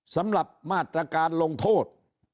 สำหรับมาตรการลงโทษ